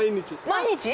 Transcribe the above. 毎日？